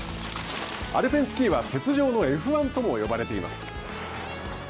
アルペンスキーは雪上のＦ１とも呼ばれています。